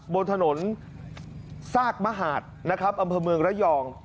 บนถนนซากมหาดนะครับอำเภอเมืองระยอง